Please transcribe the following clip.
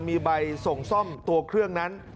มีใบส่งซ่อมตัวเครื่องนั้น